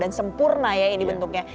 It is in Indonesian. dan sempurna ya ini bentuknya